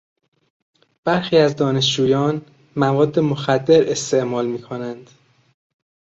برخی از دانشجویان مواد مخدر استعمال میکنند.